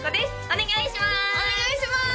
お願いします！